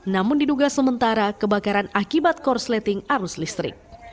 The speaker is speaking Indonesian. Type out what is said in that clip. namun diduga sementara kebakaran akibat korsleting arus listrik